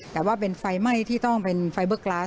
แต่ว่าเป็นไฟไหม้ที่ต้องเป็นไฟเบอร์กลาส